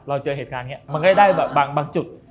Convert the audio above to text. เราเจอเหตุการณ์อย่างนี้มันก็จะได้บางจุด